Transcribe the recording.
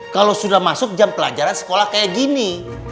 kalau sudah masuk jam pelajaran sekolah kayak gini